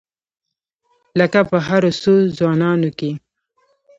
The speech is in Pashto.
لکه په هرو څو ځوانانو کې.